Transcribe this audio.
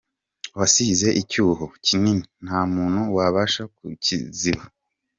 Wasize icyuho kinini, nta muntu Wabasha kukiziba.